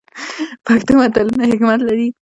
پښتو متلونه حکمت لري